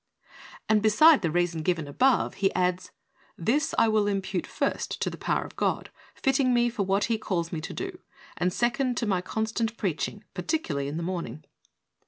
And beside the reason given above he adds: "This I will impute, first, to the power of God, fitting me for what He calls me to do, and, second, to my constant preaching, particularly in the morning."